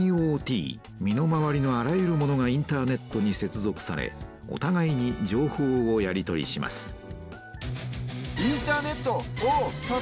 身の回りのあらゆるものがインターネットに接続されおたがいに情報をやり取りします